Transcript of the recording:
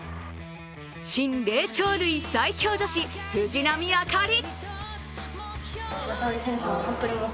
新・霊長類最強女子、藤波朱理。